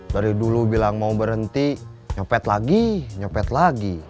dari dulu bilang mau berhenti nyopet lagi nyopet lagi